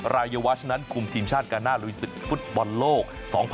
รายวัชนั้นคุมทีมชาติกาหน้าลุยศึกฟุตบอลโลก๒๐๑๖